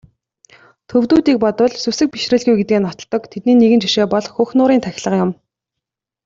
Төвөдүүдийг бодвол сүсэг бишрэлгүй гэдгээ нотолдог тэдний нэгэн жишээ бол Хөх нуурын тахилга юм.